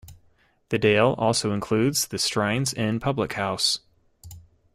The dale also includes the Strines Inn public house.